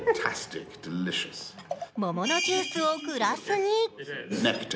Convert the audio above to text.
桃のジュースをグラスに。